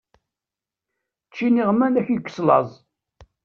Ečč iniɣman ad k-yekkes laẓ!